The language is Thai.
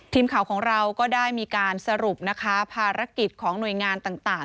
ทีมข่าวของเราก็ได้มีการสรุปนะคะภารกิจของหน่วยงานต่าง